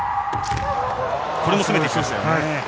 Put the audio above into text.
これも攻めてきましたね。